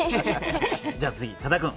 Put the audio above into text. じゃあ次多田君。